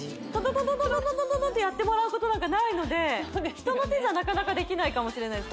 トントントントンってやってもらうことなんかないので人の手じゃなかなかできないかもしれないです